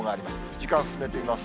時間を進めてみます。